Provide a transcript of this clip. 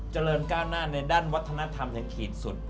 เจริญก้าวหน้าในด้านวัฒนธรรมอย่างขีดสุด